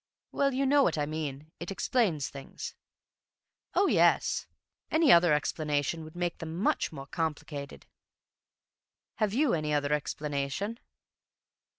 "Well, you know what I mean. It explains things." "Oh, yes. Any other explanation would make them much more complicated." "Have you any other explanation?"